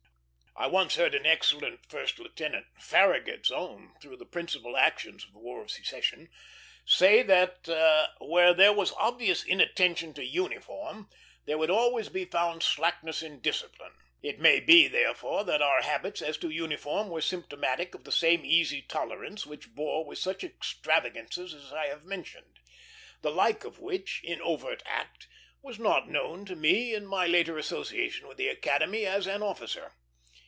I once heard an excellent first lieutenant Farragut's own through the principal actions of the War of Secession say that where there was obvious inattention to uniform there would always be found slackness in discipline. It may be, therefore, that our habits as to uniform were symptomatic of the same easy tolerance which bore with such extravagances as I have mentioned; the like of which, in overt act, was not known to me in my later association with the Academy as an officer.